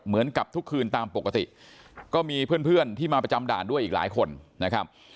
เหมือนกับทุกคืนตามปกติก็มีเพื่อนเพื่อนที่มาประจำด่านด้วยอีกหลายคนนะครับ